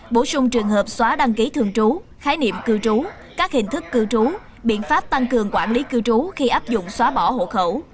bổ sung trường hợp xóa đăng ký thường trú khái niệm cư trú các hình thức cư trú biện pháp tăng cường quản lý cư trú khi áp dụng xóa bỏ hộ khẩu